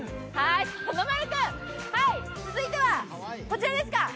さのまる君、続いてはこちらですか。